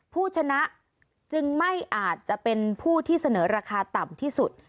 ผู้ชนะจึงไม่อาจจะเป็นผู้ที่เสนอราคาต่ำที่สุด